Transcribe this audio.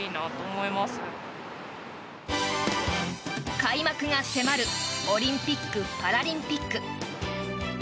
開幕が迫るオリンピック・パラリンピック。